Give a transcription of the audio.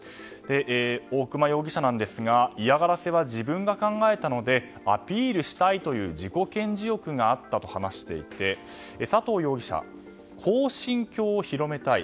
大熊容疑者なんですが嫌がらせは自分が考えたのでアピールしたいという自己顕示欲があったと話していて佐藤容疑者、恒心教を広めたい。